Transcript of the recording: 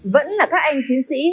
vẫn là các anh chiến sĩ